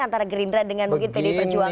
antara gerindra dengan mungkin pdi perjuangan